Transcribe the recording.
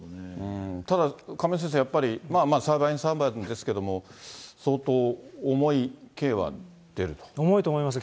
ただ、亀井先生、やっぱり、裁判員裁判ですけれども、相当重重いと思いますよ。